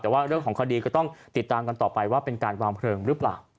แต่ว่าเรื่องของคดีก็ต้องติดตามกันต่อไปว่าเป็นการวางเพลิงหรือเปล่า